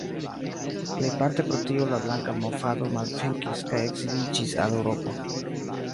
Plejparte pro tio la Blanka movado malvenkis kaj ekziliĝis al Eŭropo.